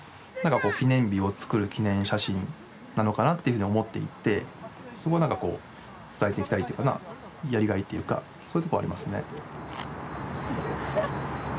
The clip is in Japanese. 記念日を作る記念写真なのかなっていうふうに思っていてそこをなんかこう伝えていきたいっていうかなやりがいっていうかそういうところありますね。